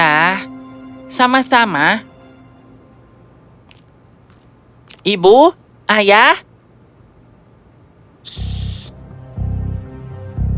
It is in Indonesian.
para ahli sedang mencoba mencari tahu apa yang menyebabkan kelumpuhan pada hewan